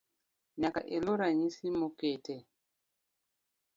Nyaka iluw ranyisi moket e